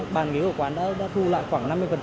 bàn ghế của quán đã thu lại khoảng năm mươi